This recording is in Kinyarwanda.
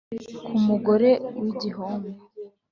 ku mugobe w’igihombo